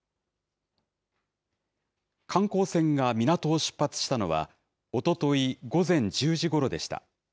観光船が港を出発したのは、おととい午前１０時ごろでした。